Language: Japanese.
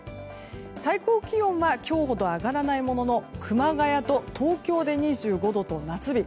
最高気温は今日ほど上がらないものの熊谷と東京で２５度と夏日。